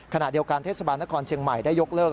ขณะเดียวกันเทศบาลนครเชียงใหม่ได้ยกเลิก